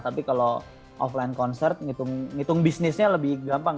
tapi kalau offline concert ngitung bisnisnya lebih gampang